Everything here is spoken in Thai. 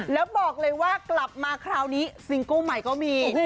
แล้วบอกเลยว่ากลับมาคราวนี้ซิงเกิ้ลใหม่ก็มี